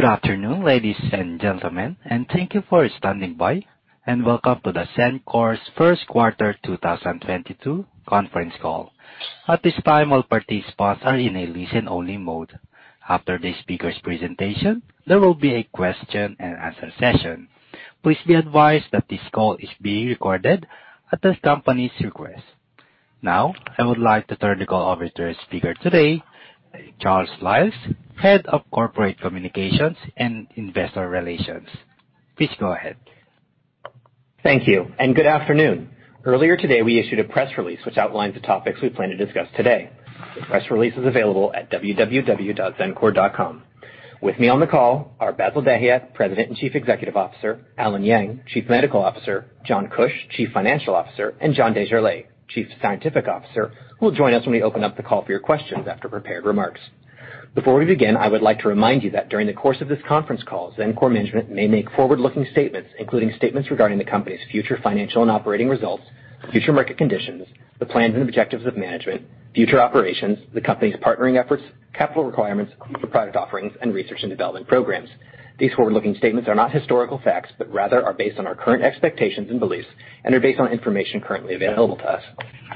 Good afternoon, ladies and gentlemen, and thank you for standing by, and welcome to Xencor's first quarter 2022 conference call. At this time, all participants are in a listen-only mode. After the speaker's presentation, there will be a question and answer session. Please be advised that this call is being recorded at the company's request. Now, I would like to turn the call over to our speaker today, Charles Liles, Head of Corporate Communications and Investor Relations. Please go ahead. Thank you, and good afternoon. Earlier today, we issued a press release which outlines the topics we plan to discuss today. The press release is available at www.xencor.com. With me on the call are Bassil Dahiyat, President and Chief Executive Officer, Allen Yang, Chief Medical Officer, John Kuch, Chief Financial Officer, and John Desjarlais, Chief Scientific Officer, who will join us when we open up the call for your questions after prepared remarks. Before we begin, I would like to remind you that during the course of this conference call, Xencor management may make forward-looking statements, including statements regarding the company's future financial and operating results, future market conditions, the plans and objectives of management, future operations, the company's partnering efforts, capital requirements for product offerings, and research and development programs. These forward-looking statements are not historical facts, but rather are based on our current expectations and beliefs and are based on information currently available to us.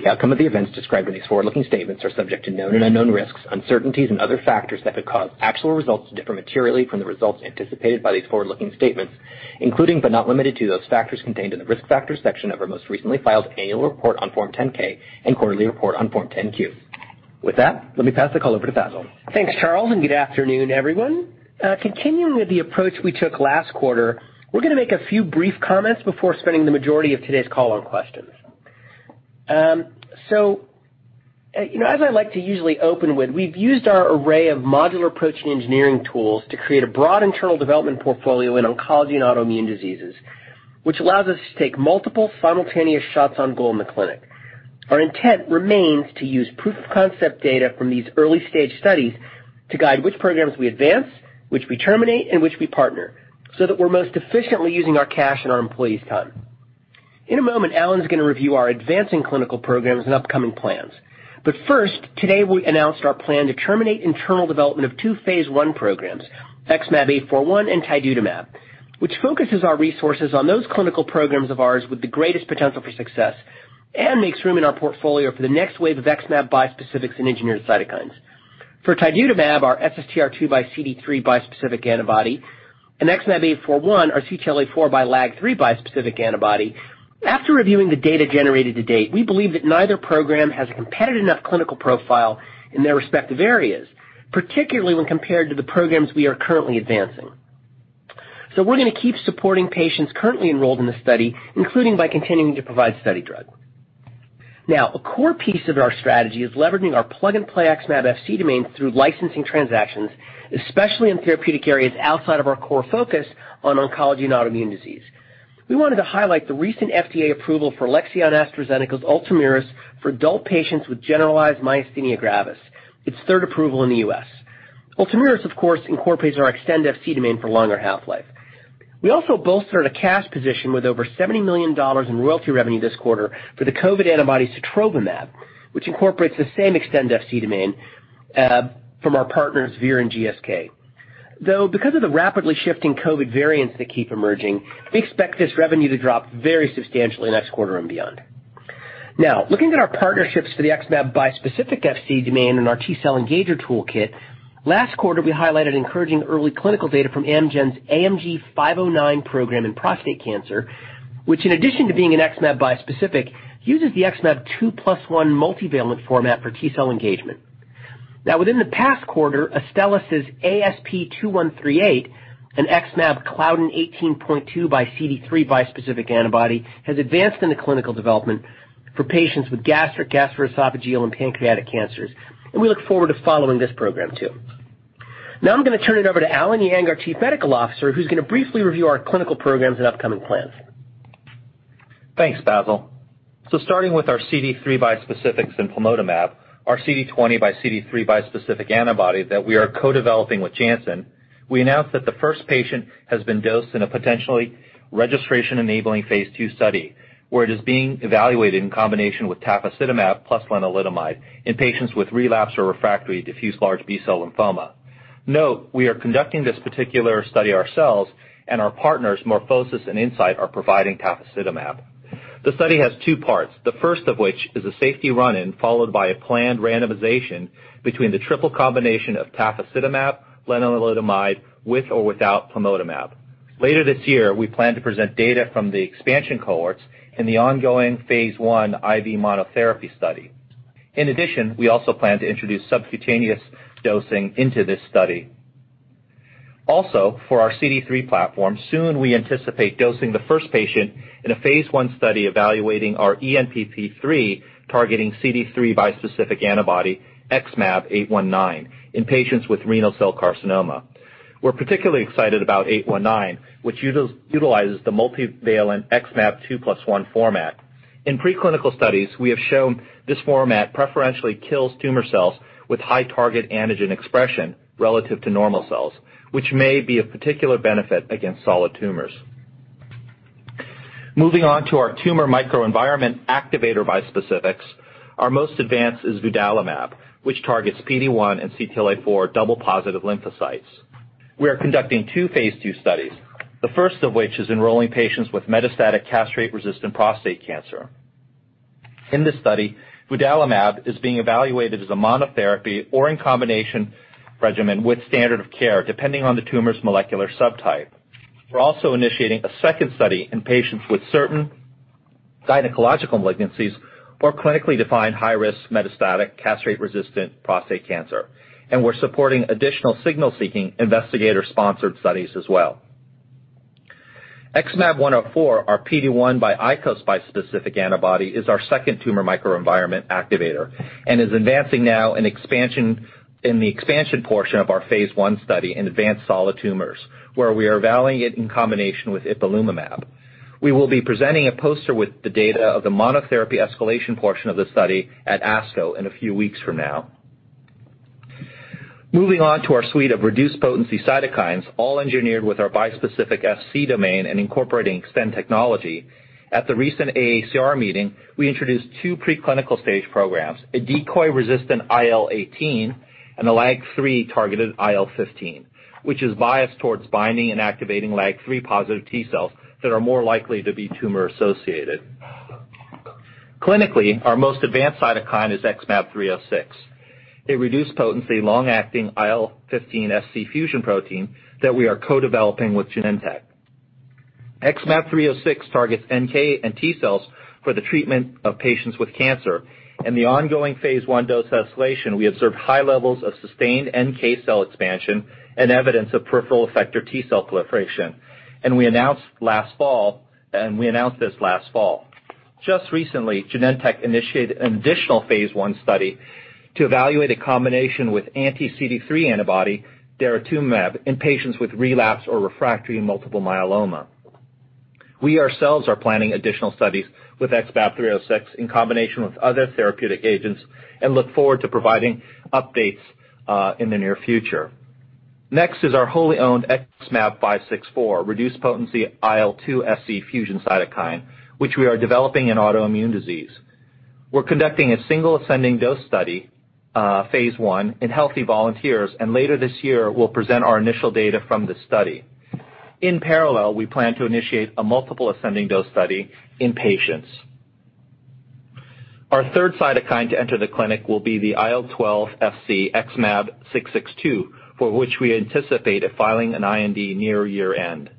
The outcome of the events described in these forward-looking statements are subject to known and unknown risks, uncertainties, and other factors that could cause actual results to differ materially from the results anticipated by these forward-looking statements, including but not limited to those factors contained in the Risk Factors section of our most recently filed annual report on Form 10-K and quarterly report on Form 10-Q. With that, let me pass the call over to Bassil. Thanks, Charles, and good afternoon, everyone. Continuing with the approach we took last quarter, we're gonna make a few brief comments before spending the majority of today's call on questions. I like to usually open with, we've used our array of modular approach and engineering tools to create a broad internal development portfolio in oncology and autoimmune diseases, which allows us to take multiple simultaneous shots on goal in the clinic. Our intent remains to use proof of concept data from these early-stage studies to guide which programs we advance, which we terminate, and which we partner, so that we're most efficiently using our cash and our employees' time. In a moment, Allen's gonna review our advancing clinical programs and upcoming plans. First, today we announced our plan to terminate internal development of two phase I programs, XmAb841 and Tidutamab, which focuses our resources on those clinical programs of ours with the greatest potential for success and makes room in our portfolio for the next wave of XmAb bispecifics and engineered cytokines. For Tidutamab, our SSTR2 x CD3 bispecific antibody, and XmAb841, our CTLA-4 x LAG-3 bispecific antibody, after reviewing the data generated to date, we believe that neither program has a competitive enough clinical profile in their respective areas, particularly when compared to the programs we are currently advancing. We're gonna keep supporting patients currently enrolled in the study, including by continuing to provide study drug. Now, a core piece of our strategy is leveraging our plug-and-play XmAb Fc domain through licensing transactions, especially in therapeutic areas outside of our core focus on oncology and autoimmune disease. We wanted to highlight the recent FDA approval for Alexion, AstraZeneca's Ultomiris for adult patients with generalized myasthenia gravis, its third approval in the U.S. Ultomiris, of course, incorporates our Xtend Fc domain for longer half-life. We also bolstered a cash position with over $70 million in royalty revenue this quarter for the COVID antibody Sotrovimab, which incorporates the same Xtend Fc domain from our partners Vir and GSK. Though, because of the rapidly shifting COVID variants that keep emerging, we expect this revenue to drop very substantially next quarter and beyond. Now, looking at our partnerships for the XmAb bispecific Fc domain and our T-cell engager toolkit, last quarter we highlighted encouraging early clinical data from Amgen's AMG-509 program in prostate cancer, which in addition to being an XmAb bispecific, uses the XmAb 2+1 multivalent format for T-cell engagement. Now within the past quarter, Astellas' ASP2138, an XmAb claudin 18.2 x CD3 bispecific antibody, has advanced into clinical development for patients with gastric, gastroesophageal, and pancreatic cancers. We look forward to following this program too. Now I'm gonna turn it over to Allen Yang, our Chief Medical Officer, who's gonna briefly review our clinical programs and upcoming plans. Thanks, Bassil. Starting with our CD3 bispecifics in plamotamab, our CD20 x CD3 bispecific antibody that we are co-developing with Janssen, we announced that the first patient has been dosed in a potentially registration-enabling phase II study, where it is being evaluated in combination with tafasitamab plus lenalidomide in patients with relapse or refractory diffuse large B-cell lymphoma. Note, we are conducting this particular study ourselves, and our partners, MorphoSys and Incyte, are providing tafasitamab. The study has two parts, the first of which is a safety run-in, followed by a planned randomization between the triple combination of tafasitamab, lenalidomide, with or without plamotamab. Later this year, we plan to present data from the expansion cohorts in the ongoing phase Ib monotherapy study. In addition, we also plan to introduce subcutaneous dosing into this study. Also, for our CD3 platform, soon we anticipate dosing the first patient in a phase I study evaluating our ENPP3-targeting CD3 bispecific antibody XmAb819 in patients with renal cell carcinoma. We're particularly excited about XmAb819, which utilizes the multivalent XmAb 2+1 format. In preclinical studies, we have shown this format preferentially kills tumor cells with high target antigen expression relative to normal cells, which may be of particular benefit against solid tumors. Moving on to our tumor microenvironment activator bispecifics. Our most advanced is vudalimab, which targets PD-1 and CTLA-4 double-positive lymphocytes. We are conducting two phase II studies, the first of which is enrolling patients with metastatic castrate-resistant prostate cancer. In this study, vudalimab is being evaluated as a monotherapy or in combination regimen with standard of care, depending on the tumor's molecular subtype. We're also initiating a second study in patients with certain gynecological malignancies or clinically defined high risk metastatic castrate-resistant prostate cancer. We're supporting additional signal-seeking investigator-sponsored studies as well. XmAb104, our PD-1 x ICOS bispecific antibody, is our second tumor microenvironment activator and is advancing now in the expansion portion of our phase I study in advanced solid tumors, where we are evaluating it in combination with ipilimumab. We will be presenting a poster with the data of the monotherapy escalation portion of the study at ASCO in a few weeks from now. Moving on to our suite of reduced potency cytokines, all engineered with our bispecific Fc domain and incorporating Xtend technology. At the recent AACR meeting, we introduced two preclinical stage programs, a decoy-resistant IL-18 and a LAG-3 targeted IL-15, which is biased towards binding and activating LAG-3 positive T cells that are more likely to be tumor associated. Clinically, our most advanced cytokine is XmAb306, a reduced potency long-acting IL-15 SC fusion protein that we are co-developing with Genentech. XmAb306 targets NK and T cells for the treatment of patients with cancer. In the ongoing phase I dose escalation, we observed high levels of sustained NK cell expansion and evidence of peripheral effector T cell proliferation. We announced this last fall. Just recently, Genentech initiated an additional phase I study to evaluate a combination with anti-CD3 antibody, daratumumab, in patients with relapse or refractory multiple myeloma. We ourselves are planning additional studies with XmAb306 in combination with other therapeutic agents and look forward to providing updates in the near future. Next is our wholly owned XmAb564, reduced potency IL-2-Fc fusion cytokine, which we are developing in autoimmune disease. We're conducting a single ascending dose study, phase I in healthy volunteers, and later this year, we'll present our initial data from this study. In parallel, we plan to initiate a multiple ascending dose study in patients. Our third cytokine to enter the clinic will be the IL-12-Fc XmAb662, for which we anticipate filing an IND near year-end.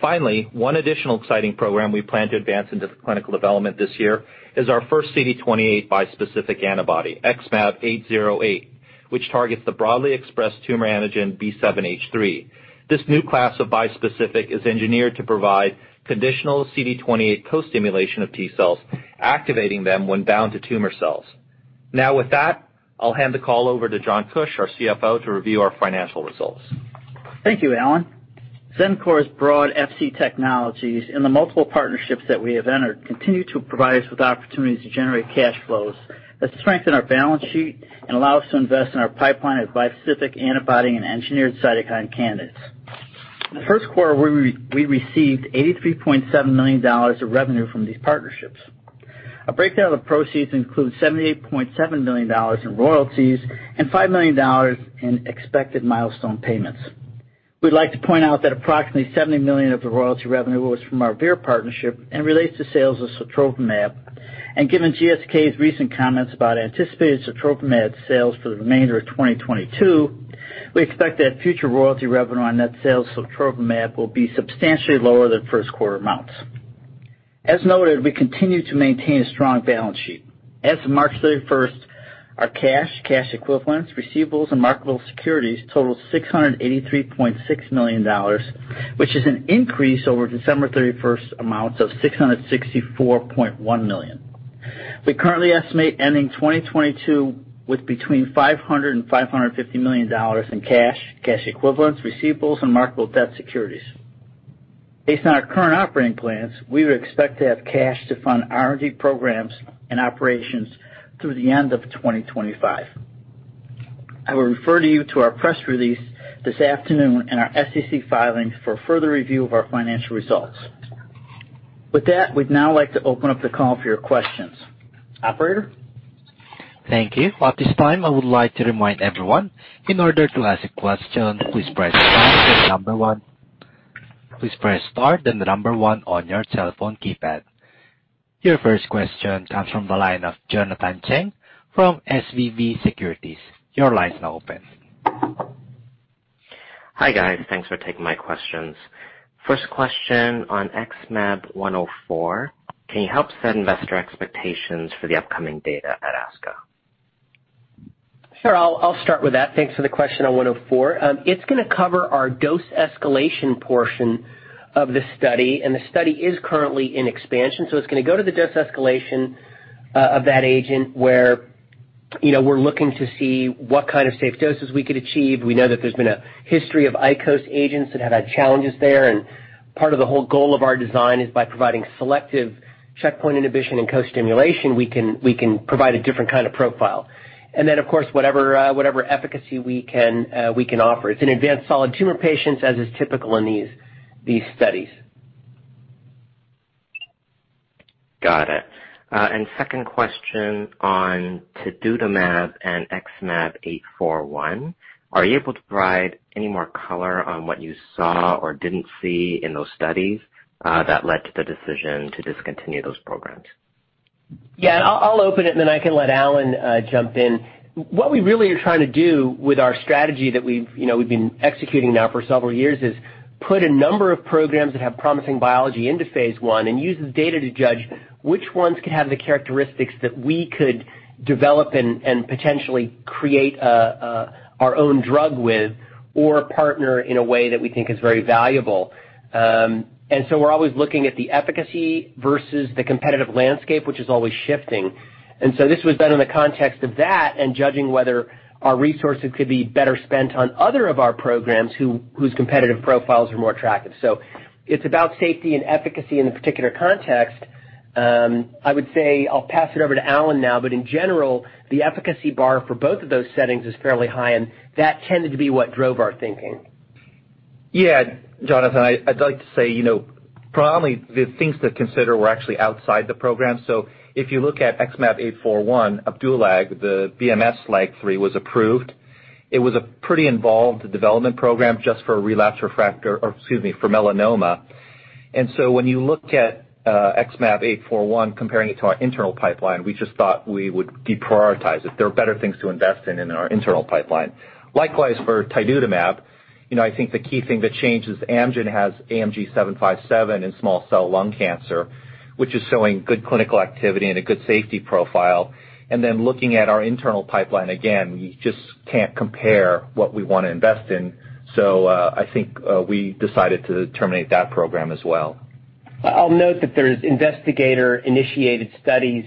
Finally, one additional exciting program we plan to advance into clinical development this year is our first CD28 bispecific antibody, XmAb808, which targets the broadly expressed tumor antigen B7-H3. This new class of bispecific is engineered to provide conditional CD28 co-stimulation of T-cells, activating them when bound to tumor cells. Now, with that, I'll hand the call over to John Kuch, our CFO, to review our financial results. Thank you, Allen. Xencor's broad Fc technologies and the multiple partnerships that we have entered continue to provide us with opportunities to generate cash flows that strengthen our balance sheet and allow us to invest in our pipeline of bispecific antibody and engineered cytokine candidates. In the first quarter, we received $83.7 million of revenue from these partnerships. A breakdown of proceeds includes $78.7 million in royalties and $5 million in expected milestone payments. We'd like to point out that approximately $70 million of the royalty revenue was from our Vir partnership and relates to sales of sotrovimab, and given GSK's recent comments about anticipated sotrovimab sales for the remainder of 2022, we expect that future royalty revenue on net sales sotrovimab will be substantially lower than first quarter amounts. As noted, we continue to maintain a strong balance sheet. As of March 31st, our cash equivalents, receivables, and marketable securities totaled $683.6 million, which is an increase over December 31st amounts of $664.1 million. We currently estimate ending 2022 with between $500 million and $550 million in cash equivalents, receivables, and marketable debt securities. Based on our current operating plans, we would expect to have cash to fund R&D programs and operations through the end of 2025. I will refer to you to our press release this afternoon and our SEC filing for further review of our financial results. With that, we'd now like to open up the call for your questions. Operator? Thank you. At this time, I would like to remind everyone, in order to ask a question, please press star then number one. Please press star then number one on your telephone keypad. Your first question comes from the line of Jonathan Chang from SVB Securities. Your line's now open. Hi, guys. Thanks for taking my questions. First question on XmAb104. Can you help set investor expectations for the upcoming data at ASCO? Sure. I'll start with that. Thanks for the question on XmAb104. It's gonna cover our dose escalation portion of the study, and the study is currently in expansion. It's gonna go to the dose escalation of that agent where, you know, we're looking to see what kind of safe doses we could achieve. We know that there's been a history of ICOS agents that have had challenges there, and part of the whole goal of our design is by providing selective checkpoint inhibition and co-stimulation, we can provide a different kind of profile. And then, of course, whatever efficacy we can offer. It's in advanced solid tumor patients, as is typical in these studies. Got it. Second question on tidutamab and XmAb841. Are you able to provide any more color on what you saw or didn't see in those studies, that led to the decision to discontinue those programs? Yeah, I'll open it, and then I can let Allen jump in. What we really are trying to do with our strategy that we've been executing now for several years is put a number of programs that have promising biology into phase I and use the data to judge which ones could have the characteristics that we could develop and potentially create our own drug with or partner in a way that we think is very valuable. We're always looking at the efficacy versus the competitive landscape, which is always shifting. This was done in the context of that and judging whether our resources could be better spent on other of our programs whose competitive profiles are more attractive. It's about safety and efficacy in a particular context. I would say I'll pass it over to Allen now, but in general, the efficacy bar for both of those settings is fairly high, and that tended to be what drove our thinking. Yeah, Jonathan, I'd like to say, you know, predominantly the things to consider were actually outside the program. If you look at XmAb841, Opdualag, the BMS LAG-3 was approved. It was a pretty involved development program just for melanoma. When you look at XmAb841, comparing it to our internal pipeline, we just thought we would deprioritize it. There are better things to invest in in our internal pipeline. Likewise, for tidutamab, I think the key thing that changes Amgen has AMG 757 in small cell lung cancer, which is showing good clinical activity and a good safety profile. Looking at our internal pipeline, again, we just can't compare what we wanna invest in. I think we decided to terminate that program as well. I'll note that there's investigator-initiated studies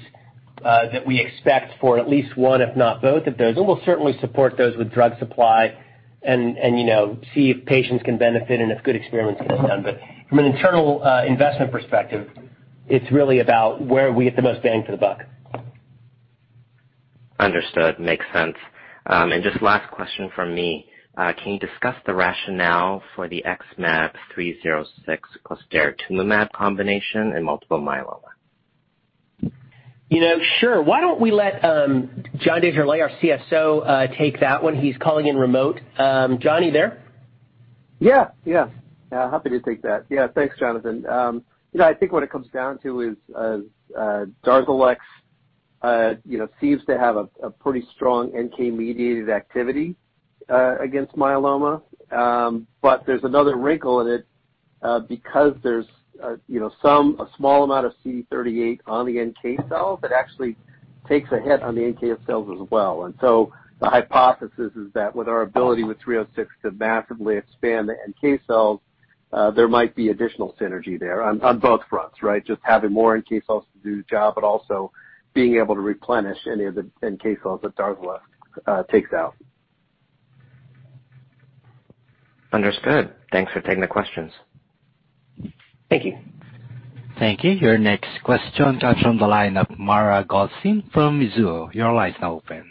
that we expect for at least one, if not both of those. We'll certainly support those with drug supply and, you know, see if patients can benefit and if good experiments get done. From an internal investment perspective, it's really about where we get the most bang for the buck. Understood. Makes sense. Just last question from me. Can you discuss the rationale for the XmAb306 plus daratumumab combination in multiple myeloma? You know, sure. Why don't we let John Desjarlais, our CSO, take that one? He's calling in remote. John, are you there? Yeah, happy to take that. Yeah, thanks, Jonathan. You know, I think what it comes down to is, Darzalex, you know, seems to have a pretty strong NK-mediated activity against myeloma. But there's another wrinkle in it, because there's, you know, some a small amount of CD38 on the NK cells, it actually takes a hit on the NK cells as well. The hypothesis is that with our ability with XmAb306 to massively expand the NK cells, there might be additional synergy there on both fronts, right? Just having more NK cells to do the job, but also being able to replenish any of the NK cells that Darzalex takes out. Understood. Thanks for taking the questions. Thank you. Thank you. Your next question comes from the line of Mara Goldstein from Mizuho. Your line is now open.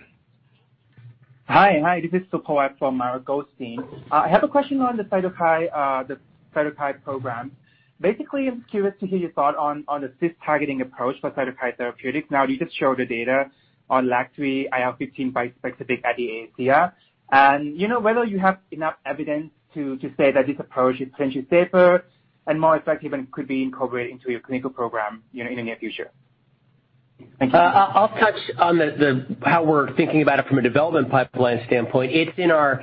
Hi, This is for Mara Goldstein. I have a question on the side of the [cytokines] program. Basically, curious to hear your thought on the cis-targeting approach besides therapeutics. Now, they just show the data on, and whether you have enough evidence to say that this approach is changing safer and more effective, and could be incorporated into your clinical program in the near future. I'll catch you on how we're thinking about it from a development pipeline standpoint. It's in our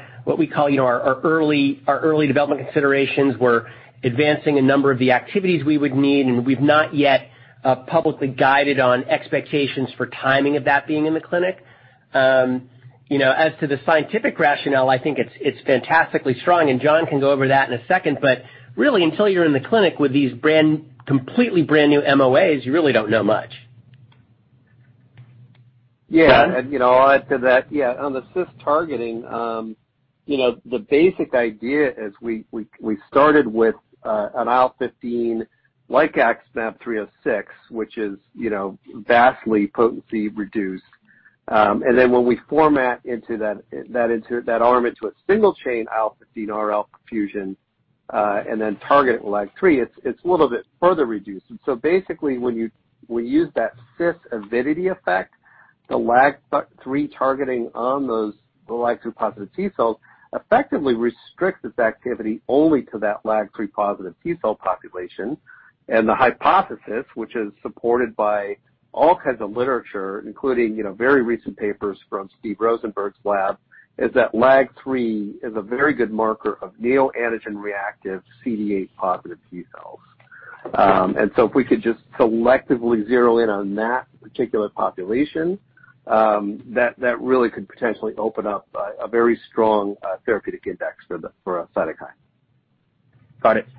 early development considerations. We're advancing a number of activities we would need, and we have not yet publicly guided on expectations for the time being in the clinic. As to the scientific rationale, i think it's fantasticallty strong, and john can go over that in a second, but really until you're in the clinic with these brands completely, you don't know much. The basic idea is we started with XmAb306, which is vastly potentially reduced.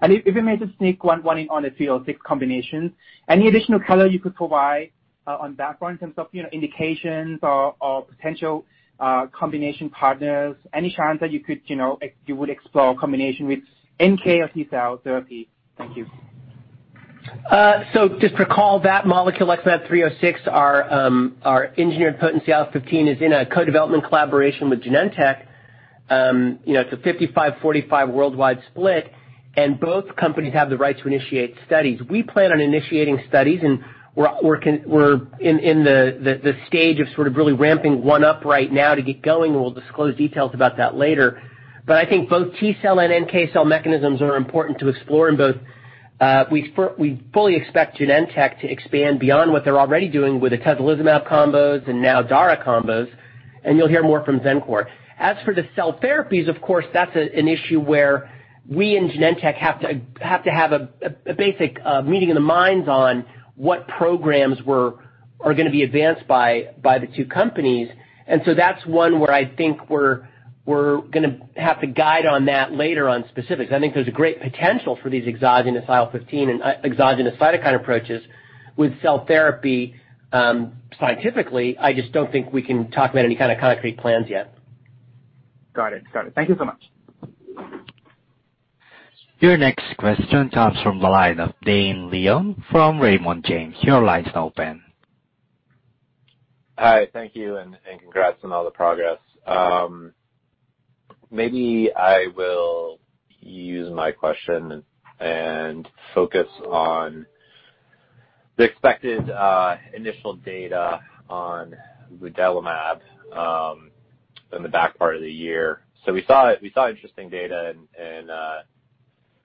If I may just sneak one in. Any additional colors you could provide on background in terms of indications, or potential combianation partners? Any chances you could explore combination with NK or cell therapy? Thank you Just recall that molecule XmAb306, our engineered potency IL-15 is in a co-development collaboration with Genentech. You know, it's a 55/45 worldwide split, and both companies have the right to initiate studies. We plan on initiating studies, and we're in the stage of sort of really ramping one up right now to get going, and we'll disclose details about that later. I think both T-cell and NK cell mechanisms are important to explore, and both we fully expect Genentech to expand beyond what they're already doing with the teclistamab combos and now Dara combos, and you'll hear more from Xencor. As for the cell therapies, of course, that's an issue where we and Genentech have to have a basic meeting of the minds on what programs are gonna be advanced by the two companies. That's one where I think we're gonna have to guide on that later on specifics. I think there's a great potential for these exogenous IL-15 and exogenous cytokine approaches with cell therapy, scientifically. I just don't think we can talk about any kind of concrete plans yet. Got it. Thank you so much. Your next question comes from the line of Dane Leone from Raymond James. Your line's now open. Hi, thank you, and congrats on all the progress. Maybe I will use my question and focus on the expected initial data on vudalimab in the back part of the year. We saw interesting data in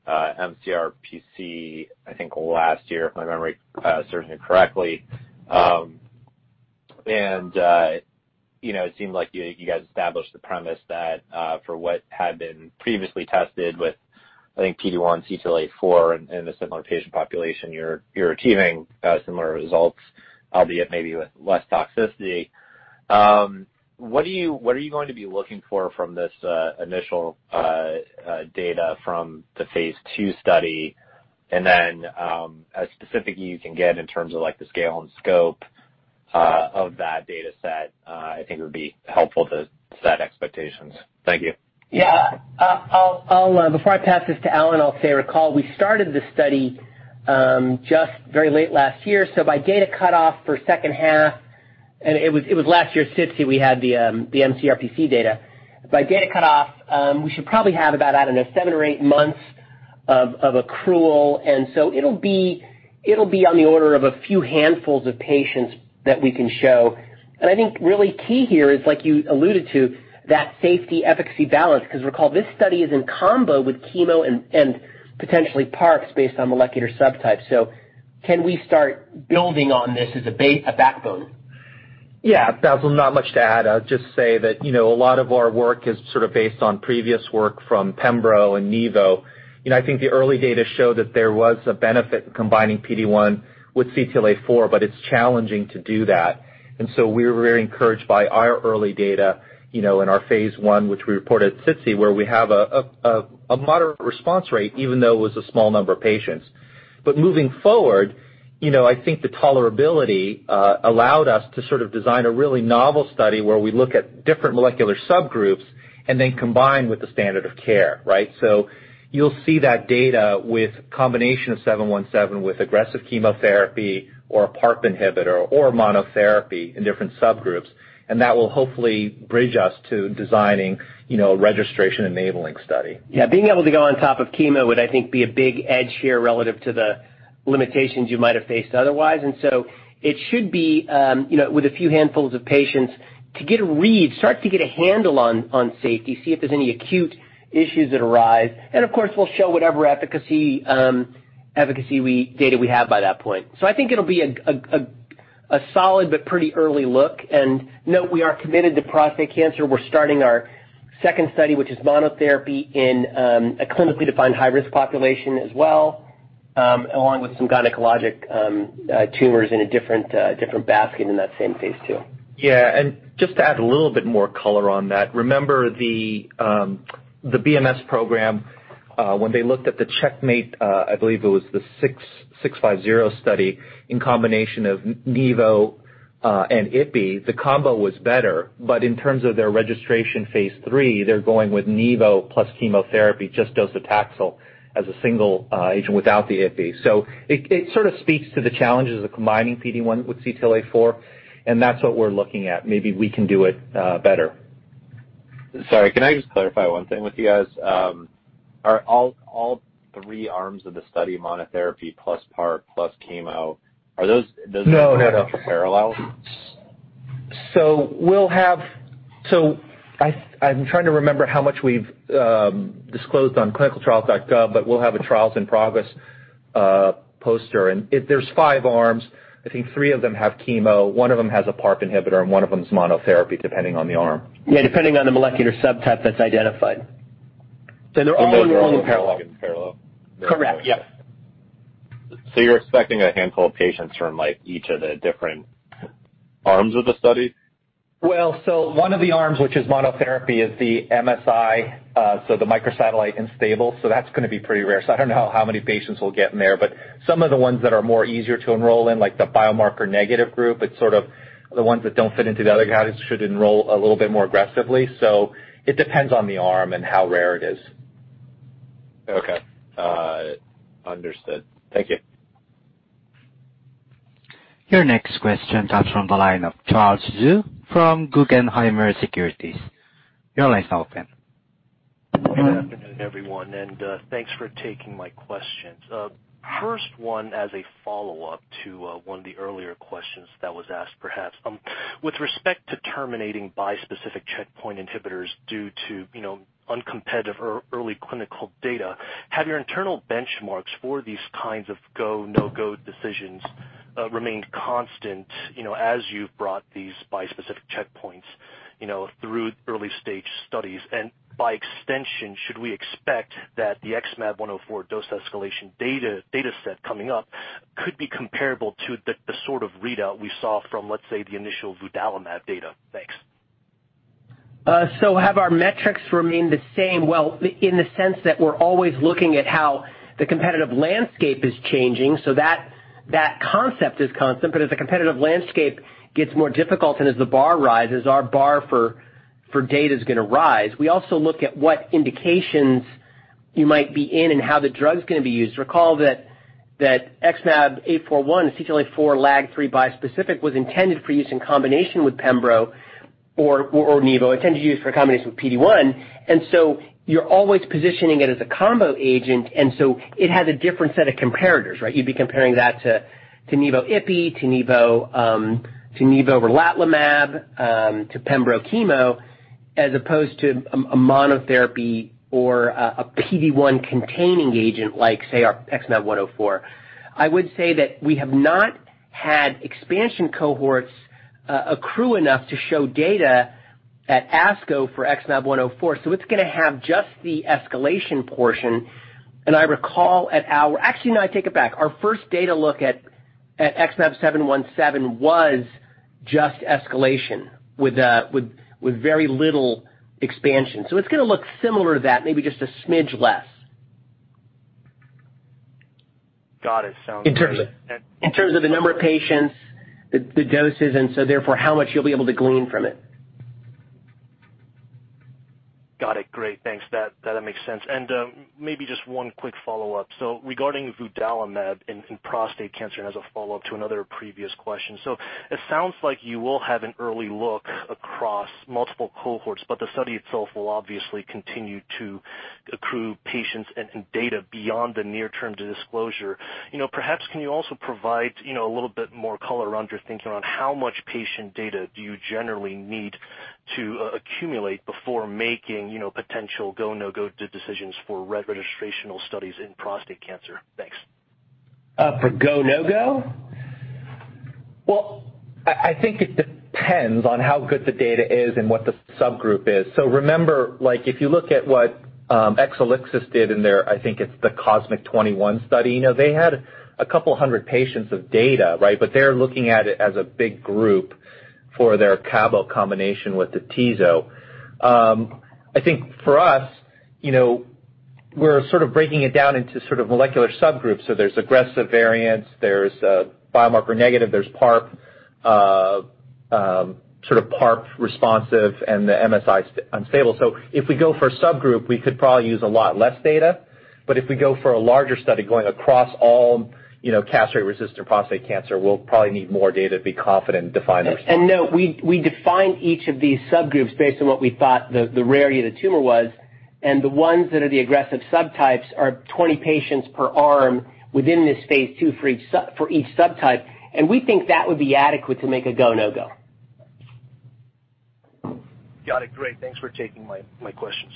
MCRPC, I think, last year, if my memory serves me correctly. You know, it seemed like you guys established the premise that for what had been previously tested with, I think PD-1 CTLA-4 in a similar patient population, you're achieving similar results, albeit maybe with less toxicity. What are you going to be looking for from this initial data from the phase II study? As specific you can get in terms of, like, the scale and scope, of that data set, I think it would be helpful to set expectations. Thank you. Yeah. I'll before I pass this to Allen, I'll say recall we started this study just very late last year, so by data cutoff for second half. It was last year, SITC, we had the MCRPC data. By data cutoff, we should probably have about, I don't know, seven or eight months of accrual, and so it'll be on the order of a few handfuls of patients that we can show. I think really key here is, like you alluded to, that safety efficacy balance, 'cause recall, this study is in combo with chemo and potentially PARPs based on molecular subtype. Can we start building on this as a backbone? Yeah. Not much to add. I'll just say that, you know, a lot of our work is sort of based on previous work from pembrolizumab and nivolumab. You know, I think the early data show that there was a benefit combining PD-1 with CTLA-4, but it's challenging to do that. We're very encouraged by our early data, you know, in our phase I, which we report at SITC, where we have a moderate response rate, even though it was a small number of patients. Moving forward, I think the tolerability allowed us to sort of design a really novel study where we look at different molecular subgroups and then combine with the standard of care, right? You'll see that data with combination of XmAb717 with aggressive chemotherapy or a PARP inhibitor or monotherapy in different subgroups, and that will hopefully bridge us to designing, you know, registration-enabling study. Yeah, being able to go on top of chemo would, I think, be a big edge here relative to the limitations you might have faced otherwise. It should be with a few handfuls of patients to get a read, start to get a handle on safety, see if there's any acute issues that arise. Of course, we'll show whatever efficacy data we have by that point. I think it'll be a solid but pretty early look. Note we are committed to prostate cancer. We're starting our second study, which is monotherapy in a clinically defined high-risk population as well, along with some gynecologic tumors in a different basket in that same phase II. Yeah. Just to add a little bit more color on that, remember the BMS program, when they looked at the CheckMate 650 study in combination of Nivo and Yervoy, the combo was better, but in terms of their registration phase III, they're going with Nivo plus chemotherapy, just docetaxel as a single agent without the Yervoy. It sort of speaks to the challenges of combining PD-1 with CTLA-4, and that's what we're looking at. Maybe we can do it better. Sorry, can I just clarify one thing with you guys? Are all three arms of the study monotherapy plus PARP plus chemo... No. No. ...that run in parallel? I'm trying to remember how much we've disclosed on ClinicalTrials.gov, but we'll have a trials in progress poster. There's five arms. I think three of them have chemo, one of them has a PARP inhibitor, and one of them is monotherapy, depending on the arm. Depending on the molecular subtype that's identified. They're all enrolled in parallel. They're all enrolled in parallel? Correct. Yep. You're expecting a handful of patients from, like, each of the different arms of the study? Well, one of the arms, which is monotherapy, is the MSI, the microsatellite unstable, that's gonna be pretty rare. I don't know how many patients we'll get in there, but some of the ones that are more easier to enroll in, like the biomarker negative group, it's sort of the ones that don't fit into the other categories should enroll a little bit more aggressively. It depends on the arm and how rare it is. Okay. Understood. Thank you. Your next question comes from the line of Charles Zhu from Guggenheim Securities. Your line's open. Good afternoon, everyone, and thanks for taking my questions. First one as a follow-up to one of the earlier questions that was asked perhaps. With respect to terminating bispecific checkpoint inhibitors due to uncompetitive or early clinical data, have your internal benchmarks for these kinds of go, no-go decisions remained constant, as you've brought these bispecific checkpoints through early-stage studies? By extension, should we expect that the XmAb104 dose escalation data set coming up could be comparable to the sort of readout we saw from, let's say, the initial vudalimab data? Thanks. Have our metrics remained the same? Well, in the sense that we're always looking at how the competitive landscape is changing, that concept is constant. But as the competitive landscape gets more difficult and as the bar rises, our bar for data is gonna rise. We also look at what indications you might be in and how the drug's gonna be used. Recall that XmAb841, a CTLA-4 LAG-3 bispecific was intended for use in combination with pembro or nivo, intended to use for a combination with PD-1. You're always positioning it as a combo agent, and so it has a different set of comparators, right? You'd be comparing that to Nivo/Ipi, to Nivo/Relatlimab, to Pembro/Chemo as opposed to a monotherapy or a PD-1 containing agent like, say, our XmAb104. I would say that we have not had expansion cohorts accrue enough to show data at ASCO for XmAb104, so it's gonna have just the escalation portion. Actually, no, I take it back. Our first data look at XmAb717 was just escalation with very little expansion. It's gonna look similar to that, maybe just a smidge less. Got it. Sounds great. In terms of the number of patients, the doses, and so therefore how much you'll be able to glean from it. Got it. Great. Thanks. That makes sense. Maybe just one quick follow-up. Regarding vudalimab in prostate cancer and as a follow-up to another previous question. It sounds like you will have an early look across multiple cohorts, but the study itself will obviously continue to accrue patients and data beyond the near term disclosure. Perhaps can you also provide a little bit more color around your thinking on how much patient data do you generally need to accumulate before making potential go, no-go decisions for registrational studies in prostate cancer? Thanks. For go, no-go? I think it depends on how good the data is and what the subgroup is. Remember, like, if you look at what Exelixis did in their I think it's the COSMIC-021 study. You know, they had a couple hundred patients of data, right? They're looking at it as a big group for their cabo combination with the atezo. I think for us, we're sort of breaking it down into sort of molecular subgroups. There's aggressive variants, there's biomarker negative, there's PARP sort of PARP responsive, and the MSI unstable. If we go for a subgroup, we could probably use a lot less data. If we go for a larger study going across all, castration-resistant prostate cancer, we'll probably need more data to be confident and define those. No, we define each of these subgroups based on what we thought the rarity of the tumor was. The ones that are the aggressive subtypes are 20 patients per arm within this phase II for each subtype, and we think that would be adequate to make a go, no-go. Got it. Great. Thanks for taking my questions.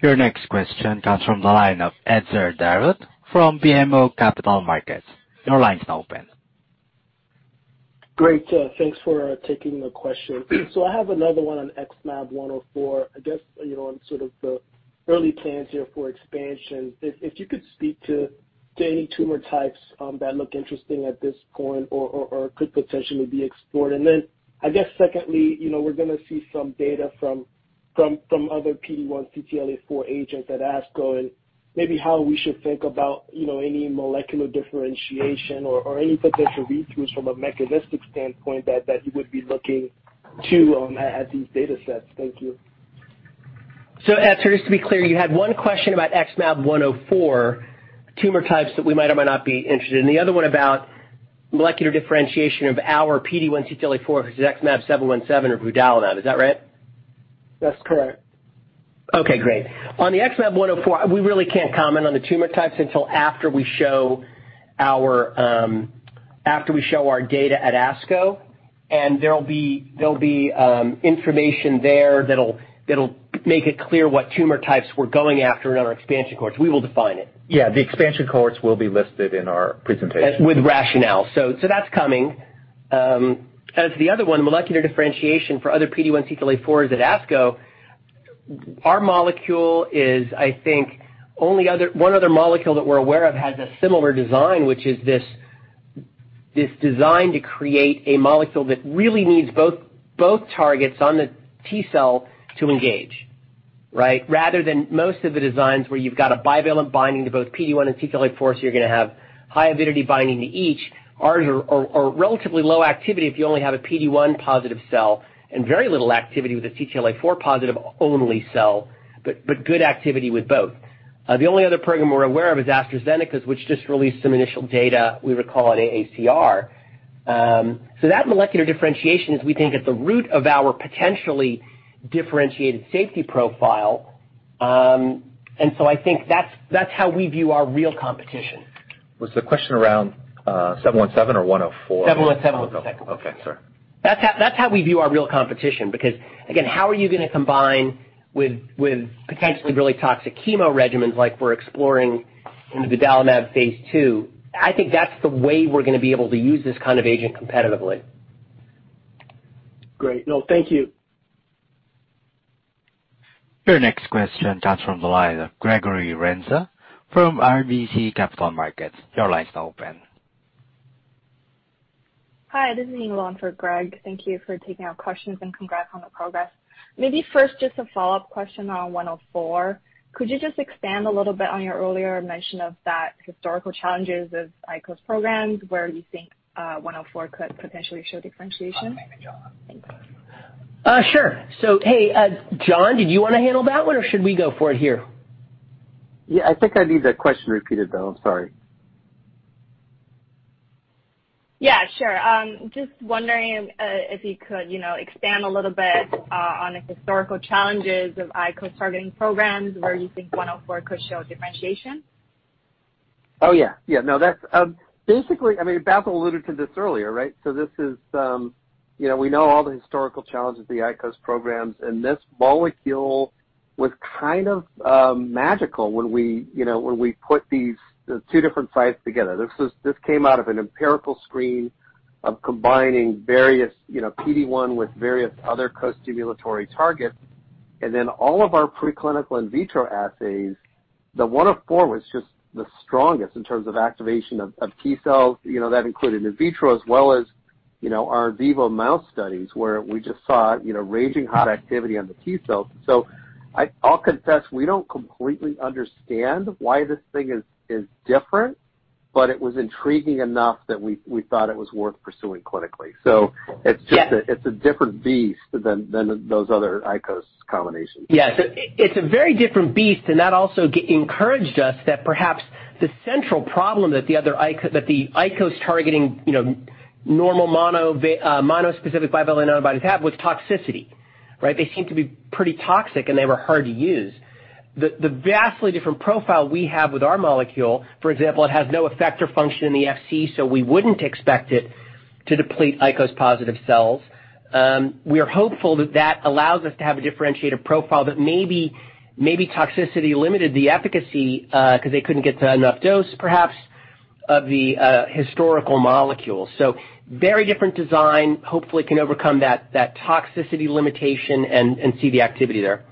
Your next question comes from the line of Etzer Darout from BMO Capital Markets. Your line's now open. Great. Thanks for taking the question. I have another one on XmAb104, I guess, on sort of the early plans here for expansion. If you could speak to any tumor types that look interesting at this point or could potentially be explored. I guess secondly, we're gonna see some data from other PD-1 CTLA-4 agents at ASCO and maybe how we should think about, you know, any molecular differentiation or any potential read-throughs from a mechanistic standpoint that you would be looking to at these data sets. Thank you. Etzer, just to be clear, you had one question about XmAb104 tumor types that we might or might not be interested in, the other one about molecular differentiation of our PD-1 CTLA-4 versus XmAb717 or vudalimab. Is that right? That's correct. Okay, great. On the XmAb104, we really can't comment on the tumor types until after we show our data at ASCO, and there'll be information there that'll make it clear what tumor types we're going after in our expansion cohorts. We will define it. Yeah. The expansion cohorts will be listed in our presentation. With rationale. That's coming. As for the other one, molecular differentiation for other PD-1 CTLA-4s at ASCO, our molecule is, I think, one other molecule that we're aware of has a similar design, which is this design to create a molecule that really needs both targets on the T-cell to engage, right? Rather than most of the designs where you've got a bivalent binding to both PD-1 and CTLA-4, you're gonna have high avidity binding to each. Ours are relatively low activity if you only have a PD-1-positive cell, and very little activity with a CTLA-4-positive-only cell. Good activity with both. The only other program we're aware of is AstraZeneca's, which just released some initial data, we recall at AACR. That molecular differentiation is, we think, at the root of our potentially differentiated safety profile. I think that's how we view our real competition. Was the question around XmAb717 or XmAb104? XmAb717 Okay. Sorry. That's how we view our real competition. Because, again, how are you gonna combine with potentially really toxic chemo regimens like we're exploring in the vudalimab phase I? I think that's the way we're gonna be able to use this kind of agent competitively. Great. No, thank you. Your next question comes from the line of Gregory Renza from RBC Capital Markets. Your line's now open. Hi, this is Ning on for Greg. Thank you for taking our questions, and congrats on the progress. Maybe first just a follow-up question on XmAb104. Could you just expand a little bit on your earlier mention of the historical challenges of ICOS programs where you think XmAb104 could potentially show differentiation? Sure. Hey, John, did you wanna handle that one, or should we go for it here? Yeah, I think I need that question repeated, though. I'm sorry. Yeah, sure. Just wondering if you could expand a little bit on the historical challenges of ICOS-targeting programs where you think XmAb104 could show differentiation? Oh, yeah. Yeah, no, that's basically. I mean, Bassil alluded to this earlier, right? We know all the historical challenges of the ICOS programs, and this molecule was kind of magical when we put these two different sites together. This came out of an empirical screen of combining various, you know, PD-1 with various other costimulatory targets. All of our preclinical in vitro assays, the XmAb104 was just the strongest in terms of activation of T-cells, you know, that included in vitro as well as, you know, our in vivo mouse studies, where we just saw raging hot activity on the T-cells. I'll confess, we don't completely understand why this thing is different, but it was intriguing enough that we thought it was worth pursuing clinically. So it's just a different beast than those other ICOS combinations. Yes. It's a very different beast, and that also encouraged us that perhaps the central problem that the other ICOS targeting normal mono, monospecific bivalent antibodies have, was toxicity, right? They seem to be pretty toxic, and they were hard to use. The vastly different profile we have with our molecule, for example, it has no effector function in the Fc, so we wouldn't expect it to deplete ICOS-positive cells. We are hopeful that that allows us to have a differentiated profile, that maybe toxicity limited the efficacy, 'cause they couldn't get to enough dose, perhaps, of the historical molecule. Very different design, hopefully can overcome that toxicity limitation and see the activity there.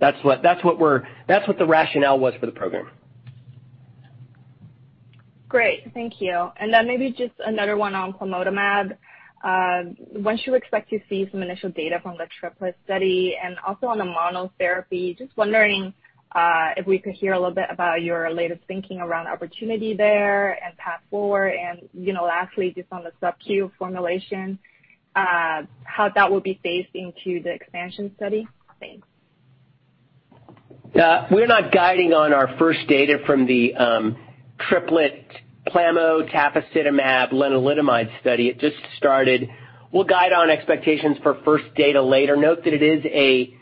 That's what the rationale was for the program. Great. Thank you. Maybe just another one on plamotamab. When should we expect to see some initial data from the triplet study? Also on the monotherapy, just wondering if we could hear a little bit about your latest thinking around opportunity there and path forward. Lastly, just on the subQ formulation, how that will be phased into the expansion study. Thanks. We're not guiding on our first data from the triplet plamo tafasitamab lenalidomide study. It just started. We'll guide on expectations for first data later. Note that it is a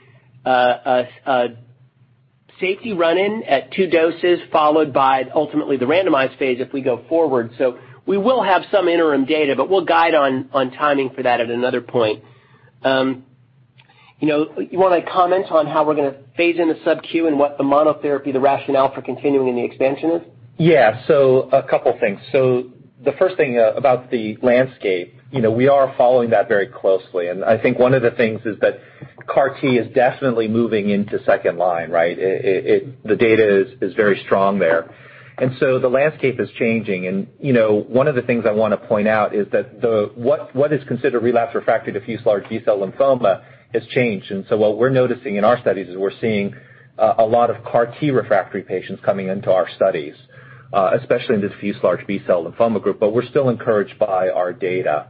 safety run-in at two doses followed by ultimately the randomized phase if we go forward. We will have some interim data, but we'll guide on timing for that at another point. You know, you want to comment on how we're gonna phase in the subQ and what the monotherapy, the rationale for continuing in the expansion is? Yeah. A couple things. The first thing about the landscape, you know, we are following that very closely, and I think one of the things is that CAR T is definitely moving into second line, right? The data is very strong there. The landscape is changing and, you know, one of the things I wanna point out is that what is considered relapse-refractory diffuse large B-cell lymphoma has changed. What we're noticing in our studies is we're seeing a lot of CAR T refractory patients coming into our studies, especially in diffuse large B-cell lymphoma group, but we're still encouraged by our data.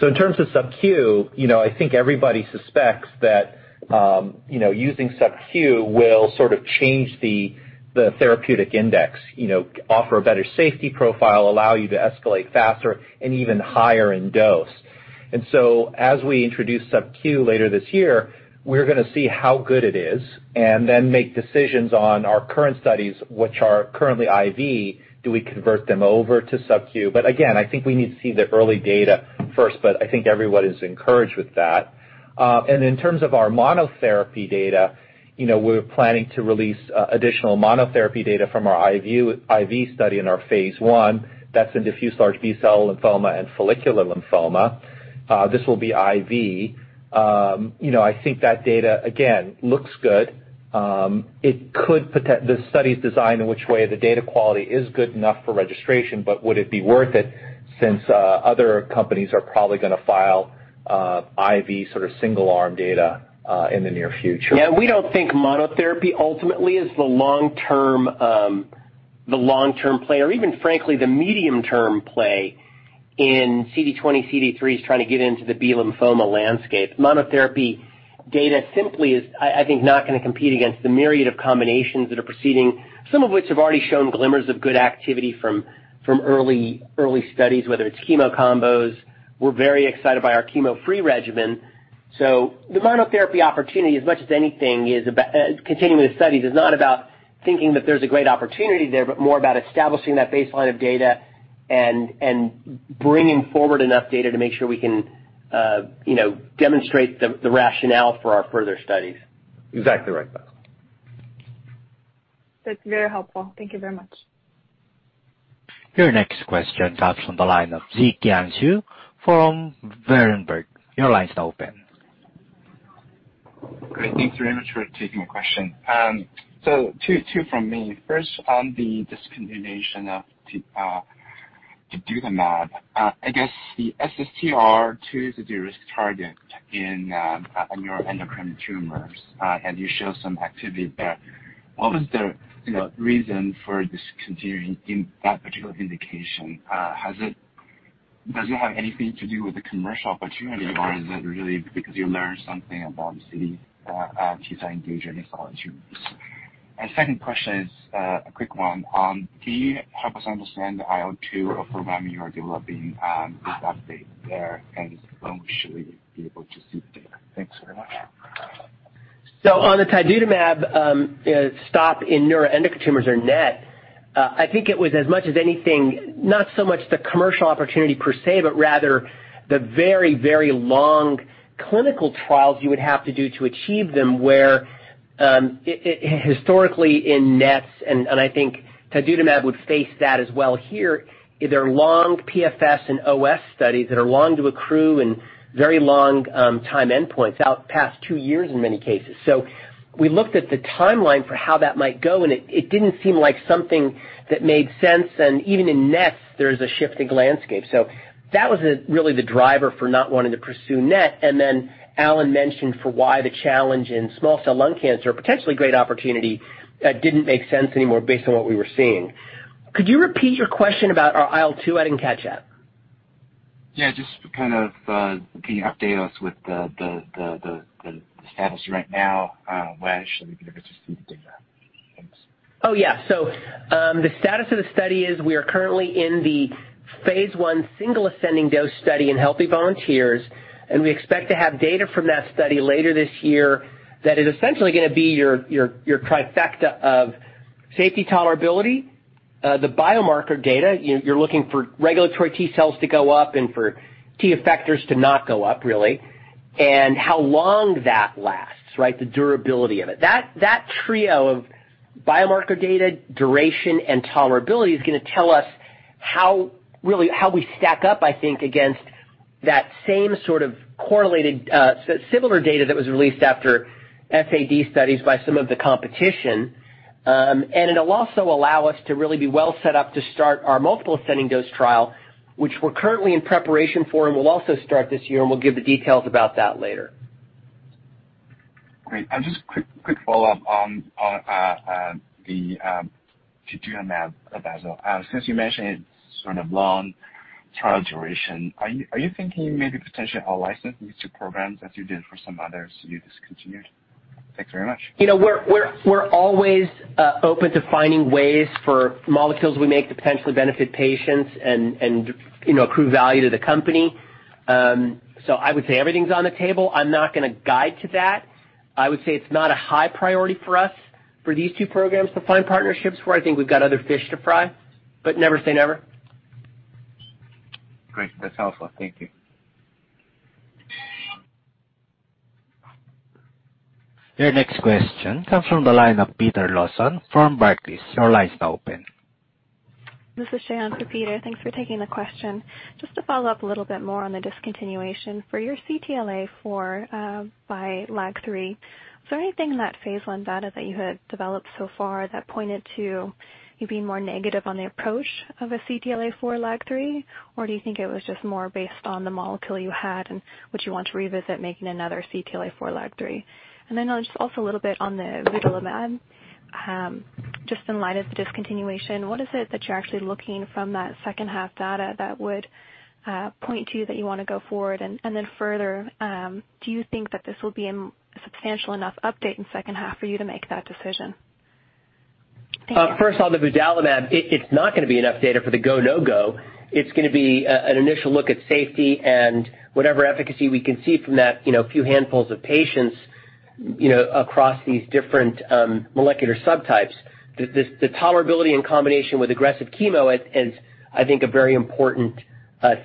In terms of subQ, I think everybody suspects that using subQ will sort of change the therapeutic index, offer a better safety profile, allow you to escalate faster and even higher in dose. As we introduce subQ later this year, we're gonna see how good it is and then make decisions on our current studies, which are currently IV. Do we convert them over to subQ? Again, I think we need to see the early data first, but I think everyone is encouraged with that. In terms of our monotherapy data, we're planning to release additional monotherapy data from our IV study in our phase I. That's in diffuse large B-cell lymphoma and follicular lymphoma. This will be IV. I think that data, again, looks good. The study's designed in a way the data quality is good enough for registration, but would it be worth it since other companies are probably gonna file pivotal sort of single-arm data in the near future. Yeah, we don't think monotherapy ultimately is the long-term play, or even frankly the medium-term play in CD20/CD3 is trying to get into the B lymphoma landscape. Monotherapy data simply is, I think, not gonna compete against the myriad of combinations that are proceeding, some of which have already shown glimmers of good activity from early studies, whether it's chemo combos. We're very excited by our chemo-free regimen. The monotherapy opportunity, as much as anything, is continuing the studies is not about thinking that there's a great opportunity there, but more about establishing that baseline of data and bringing forward enough data to make sure we can, you know, demonstrate the rationale for our further studies. Exactly right, Bassil. That's very helpful. Thank you very much. Your next question comes from the line of [Zhi Tian Xu] from Berenberg. Your line is now open. Great. Thank you very much for taking my question. Two from me. First on the discontinuation of tidutamab. I guess the SSTR2 is a de-risk target in neuroendocrine tumors, and you show some activity there. What was the reason for discontinuing in that particular indication? Does it have anything to do with the commercial opportunity, or is it really because you learned something about the T-cell engagement in solid tumors? Second question is a quick one. Can you help us understand the IL-2 program you are developing, with update there and when should we be able to see data? Thanks very much. On the tidutamab stop in neuroendocrine tumors or NET, I think it was as much as anything, not so much the commercial opportunity per se, but rather the very, very long clinical trials you would have to do to achieve them, where historically in NETs and I think tidutamab would face that as well here, they're long PFS and OS studies that are long to accrue and very long time endpoints, out past two years in many cases. We looked at the timeline for how that might go, and it didn't seem like something that made sense. Even in NETs there's a shifting landscape. That was really the driver for not wanting to pursue NET. Allen mentioned why the challenge in small cell lung cancer, potentially a great opportunity, didn't make sense anymore based on what we were seeing. Could you repeat your question about our IL-2? I didn't catch that. Yeah, just kind of, can you update us with the status right now, when should we be able to see the data? Thanks. The status of the study is we are currently in the phase I single ascending dose study in healthy volunteers, and we expect to have data from that study later this year that is essentially gonna be your trifecta of safety, tolerability, the biomarker data you're looking for regulatory T-cells to go up and for T-effectors to not go up really, and how long that lasts, right? The durability of it. That trio of biomarker data, duration, and tolerability is gonna tell us how really how we stack up, I think, against that same sort of correlated, similar data that was released after SAD studies by some of the competition. It'll also allow us to really be well set up to start our multiple ascending dose trial, which we're currently in preparation for and will also start this year, and we'll give the details about that later. Great. Just quick follow-up on the tidutamab, Bassil. Since you mentioned it's sort of long trial duration, are you thinking maybe potentially out-licensing these two programs as you did for some others you discontinued? Thanks very much. We're always open to finding ways for molecules we make to potentially benefit patients and, you know, accrue value to the company. I would say everything's on the table. I'm not gonna guide to that. I would say it's not a high priority for us for these two programs to find partnerships for. I think we've got other fish to fry, but never say never. Great. That's helpful. Thank you. Your next question comes from the line of Peter Lawson from Barclays. Your line is now open. This is [Gena Wang] for Peter. Thanks for taking the question. Just to follow up a little bit more on the discontinuation. For your CTLA-4 x LAG-3, is there anything in that phase I data that you had developed so far that pointed to you being more negative on the approach of a CTLA-4 x LAG-3? Or do you think it was just more based on the molecule you had and would you want to revisit making another CTLA-4 x LAG-3? Just also a little bit on the vudalimab. Just in light of the discontinuation, what is it that you're actually looking from that second half data that would point to you that you wanna go forward? Further, do you think that this will be a substantial enough update in second half for you to make that decision? Thank you. First on the vudalimab, it's not gonna be enough data for the go/no-go. It's gonna be an initial look at safety and whatever efficacy we can see from that, you know, few handfuls of patients, you know, across these different molecular subtypes. The tolerability in combination with aggressive chemo is, I think, a very important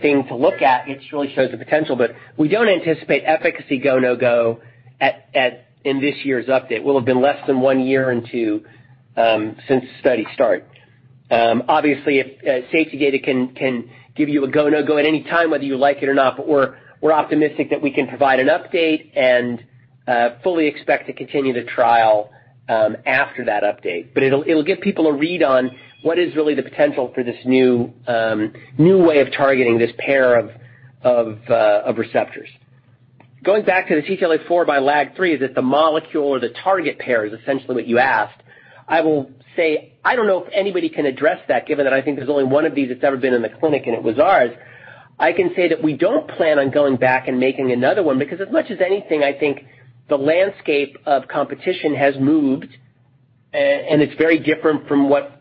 thing to look at. It really shows the potential. We don't anticipate efficacy go/no-go at in this year's update. We'll have been less than one year into since the study start. Obviously, if safety data can give you a go/no-go at any time, whether you like it or not, but we're optimistic that we can provide an update and fully expect to continue the trial after that update. It'll give people a read on what is really the potential for this new way of targeting this pair of receptors. Going back to the CTLA-4 by LAG-3, is it the molecule or the target pair? That is essentially what you asked. I will say, I don't know if anybody can address that, given that I think there's only one of these that's ever been in the clinic, and it was ours. I can say that we don't plan on going back and making another one, because as much as anything, I think the landscape of competition has moved, and it's very different from what,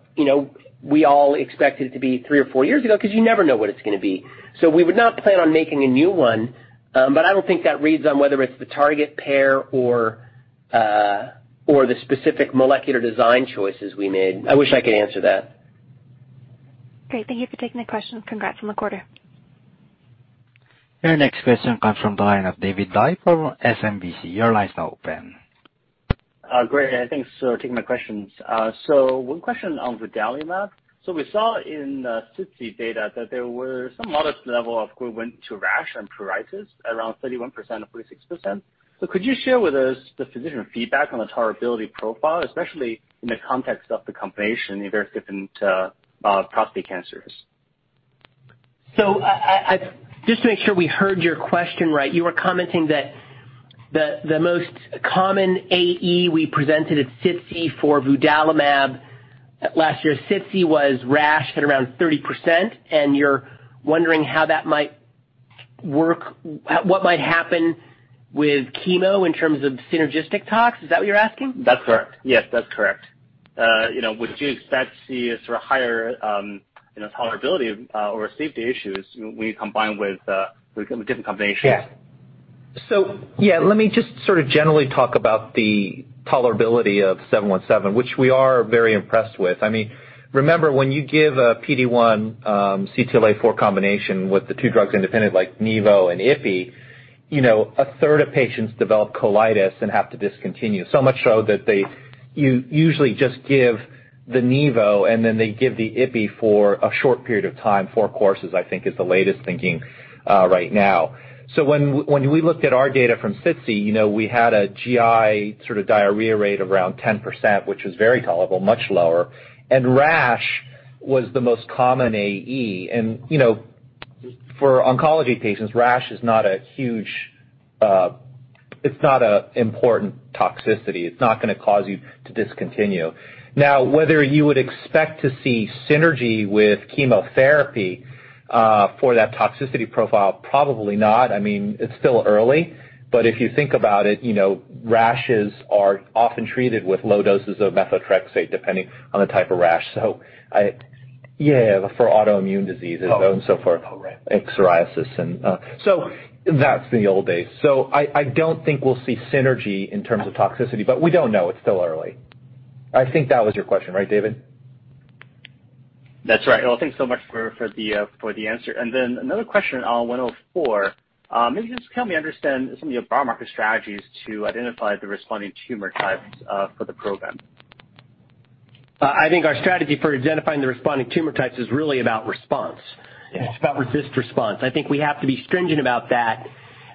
we all expected it to be three or four years ago, 'cause you never know what it's gonna be. We would not plan on making a new one, but I don't think that reads on whether it's the target pair or the specific molecular design choices we made. I wish I could answer that. Great. Thank you for taking the question. Congrats on the quarter. Your next question comes from the line of David Dai from SMBC. Your line's now open. Great. Thanks for taking my questions. One question on vudalimab. We saw in SITC data that there were some modest level of equivalent to rash and pruritus, around 31% or 36%. Could you share with us the physician feedback on the tolerability profile, especially in the context of the combination in various different prostate cancers? Just to make sure we heard your question right, you were commenting that the most common AE we presented at SITC for vudalimab last year, SITC was rash at around 30%, and you're wondering how that might work. What might happen with chemo in terms of synergistic tox? Is that what you're asking? That's correct. Yes, that's correct. You know, would you expect to see a sort of higher, you know, tolerability of, or safety issues when you combine with different combinations? Yeah, let me just sort of generally talk about the tolerability of XmAb717, which we are very impressed with. I mean, remember when you give a PD-1, CTLA-4 combination with the two drugs independent like Nivo and Ipi, you know, a third of patients develop colitis and have to discontinue. Much so that you usually just give the nivo, and then they give the ipi for a short period of time, four courses, I think, is the latest thinking right now. When we looked at our data from SITC, you know, we had a GI sort of diarrhea rate around 10%, which is very tolerable, much lower, and rash was the most common AE. You know, for oncology patients, rash is not a huge. It's not an important toxicity. It's not gonna cause you to discontinue. Now, whether you would expect to see synergy with chemotherapy for that toxicity profile, probably not. I mean, it's still early. If you think about it, rashes are often treated with low doses of methotrexate, depending on the type of rash. Yeah, for autoimmune diseases and so forth, like psoriasis. That's the old days. I don't think we'll see synergy in terms of toxicity, but we don't know. It's still early. I think that was your question, right, David? That's right. Well, thanks so much for the answer. Then another question on XmAb104. Maybe just help me understand some of your biomarker strategies to identify the responding tumor types for the program. I think our strategy for identifying the responding tumor types is really about response. It's about resistant response. I think we have to be stringent about that.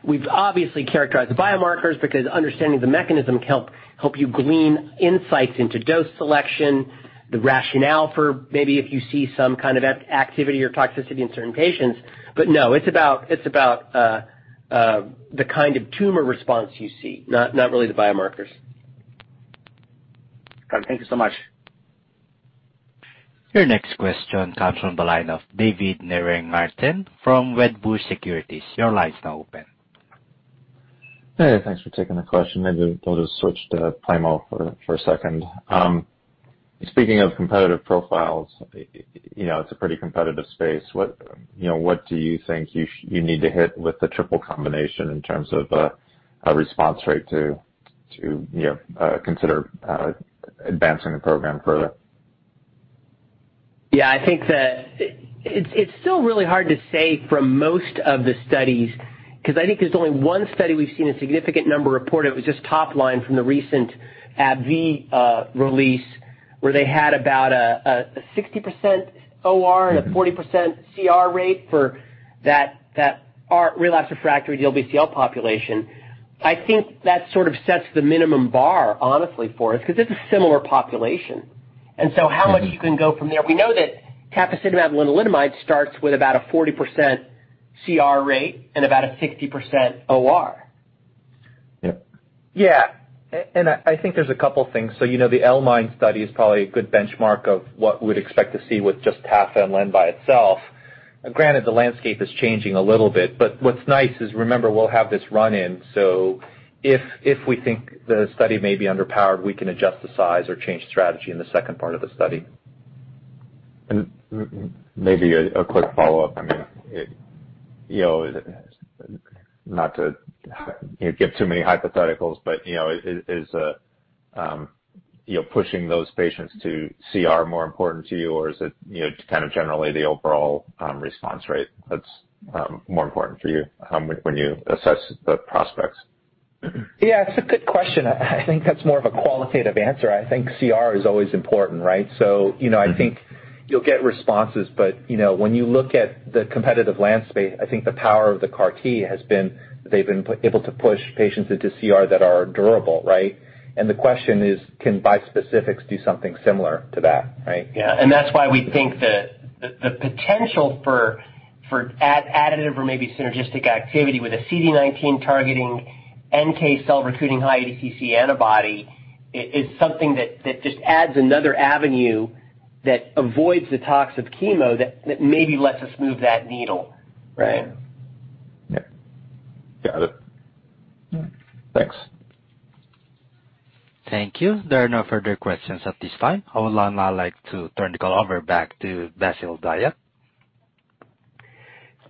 We've obviously characterized the biomarkers because understanding the mechanism helps you glean insights into dose selection, the rationale for maybe if you see some kind of activity or toxicity in certain patients. No, it's about the kind of tumor response you see, not really the biomarkers. Got it. Thank you so much. Your next question comes from the line of David Nierengarten from Wedbush Securities. Your line's now open. Hey, thanks for taking the question. Maybe I'll just switch to plamo for a second. Speaking of competitive profiles, it's a pretty competitive space. What do you think you need to hit with the triple combination in terms of a response rate to, consider advancing the program further? Yeah, I think it's still really hard to say from most of the studies, 'cause I think there's only one study we've seen a significant number reported. It was just top line from the recent AbbVie release, where they had about a 60% OR and a 40% CR rate for that are relapsed/refractory DLBCL population. I think that sort of sets the minimum bar, honestly, for us, 'cause it's a similar population. How much you can go from there? We know that tafasitamab lenalidomide starts with about a 40% CR rate and about a 60% OR. Yeah. I think there's a couple things. The L-MIND study is probably a good benchmark of what we'd expect to see with just tafa len by itself. Granted, the landscape is changing a little bit, but what's nice is remember, we'll have this run-in, so if we think the study may be underpowered, we can adjust the size or change strategy in the second part of the study. Maybe a quick follow-up. I mean, you know, not to give too many hypotheticals, but, you know, is, you know, pushing those patients to CR more important to you or is it, kind of generally the overall response rate that's more important for you when you assess the prospects? Yeah, it's a good question. I think that's more of a qualitative answer. I think CR is always important, right? I think you'll get responses, but when you look at the competitive landscape, I think the power of the CAR T they've been able to push patients into CR that are durable, right? The question is, can bispecifics do something similar to that, right? Yeah. That's why we think the potential for additive or maybe synergistic activity with a CD19 targeting NK cell recruiting high ADCC antibody is something that just adds another avenue that avoids the tox of chemo that maybe lets us move that needle. Yeah. Got it. Thanks. Thank you. There are no further questions at this time. I would now like to turn the call over back to Bassil Dahiyat.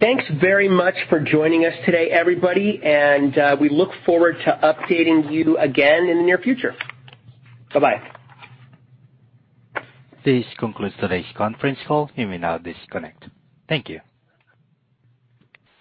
Thanks very much for joining us today, everybody, and we look forward to updating you again in the near future. Bye-bye. This concludes today's conference call. You may now disconnect. Thank you.